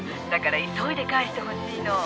だから急いで返してほしいの。